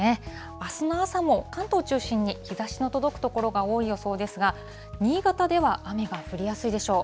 あすの朝も、関東を中心に日ざしの届く所が多い予想ですが、新潟では雨が降りやすいでしょう。